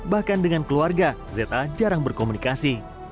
bahkan dengan keluarga za jarang berkomunikasi